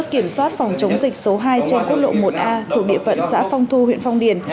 kiểm soát phòng chống dịch số hai trên quốc lộ một a thuộc địa phận xã phong thu huyện phong điền